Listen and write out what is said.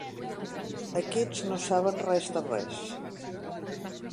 Aquests no saben res de res.